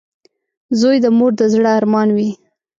• زوی د مور د زړۀ ارمان وي.